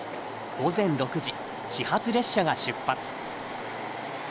午前６時始発列車が出発